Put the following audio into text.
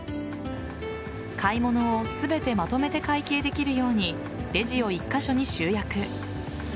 買い物を全てまとめて会計できるようにレジを１カ所に集約。